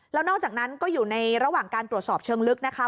แล้วนอกจากนั้นก็อยู่ในระหว่างการตรวจสอบเชิงลึกนะคะ